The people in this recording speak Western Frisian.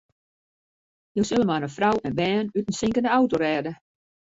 Jo sille mar in frou en bern út in sinkende auto rêde.